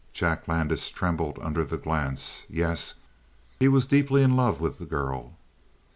Jack Landis trembled under the glance; yes, he was deeply in love with the girl.